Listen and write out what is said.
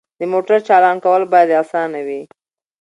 د موټر چالان کول باید اسانه وي.